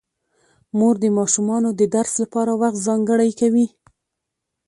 مور د ماشومانو د درس لپاره وخت ځانګړی کوي